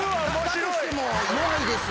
だとしても弱いです。